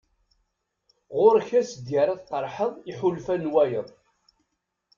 Ɣur-k ass deg ara tqeṛḥeḍ iḥulfan n wayeḍ.